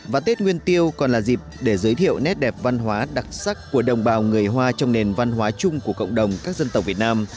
và tết nguyên tiêu còn là dịp để giới thiệu nét đẹp văn hóa đặc sắc của đồng bào người hoa trong nền văn hóa chung của cộng đồng các dân tộc việt nam